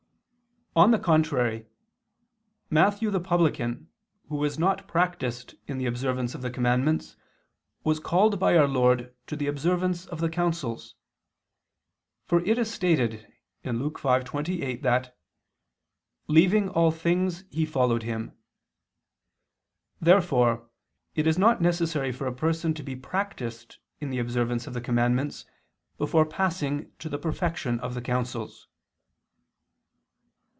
On the contrary, Matthew the publican who was not practiced in the observance of the commandments was called by our Lord to the observance of the counsels. For it is stated (Luke 5:28) that "leaving all things he ... followed Him." Therefore it is not necessary for a person to be practiced in the observance of the commandments before passing to the perfection of the counsels.